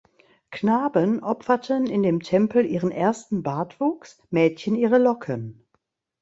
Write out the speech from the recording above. Knaben opferten in dem Tempel ihren ersten Bartwuchs, Mädchen ihre Locken.